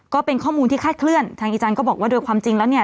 ก็เป็นข้อมูลที่คาดเคลื่อนทางอีจันทร์ก็บอกว่าโดยความจริงแล้วเนี่ย